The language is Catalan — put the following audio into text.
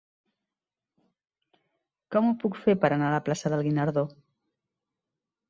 Com ho puc fer per anar a la plaça del Guinardó?